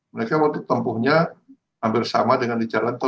mereka waktu tempuhnya hampir sama dengan di jalan tol